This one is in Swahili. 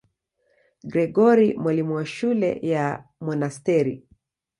Gregori, mwalimu wa shule ya monasteri.